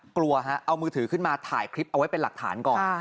กลัวฮะเอามือถือขึ้นมาถ่ายคลิปเอาไว้เป็นหลักฐานก่อน